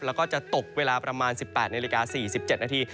แล้วก็จะตกเวลาประมาณ๑๘นรก๔๗น